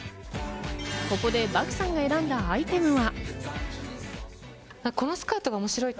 ここで漠さんが選んだアイテムは。